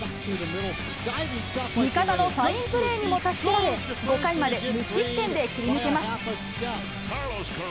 味方のファインプレーにも助けられ、５回まで無失点で切り抜けます。